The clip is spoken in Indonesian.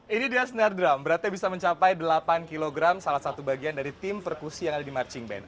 ini dia snared drum beratnya bisa mencapai delapan kg salah satu bagian dari tim perkusi yang ada di marching band